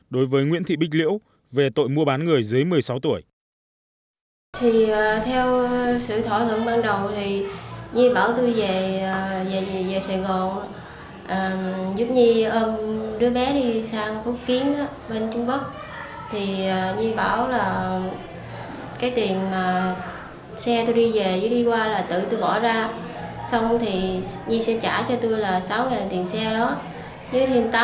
đối với nguyễn thị bích liễu về tội mua bán người dưới một mươi sáu tuổi